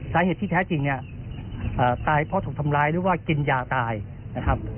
สาเหตุที่แท้จริงเนี่ยตายเพราะถูกทำร้ายหรือว่ากินยาตายนะครับ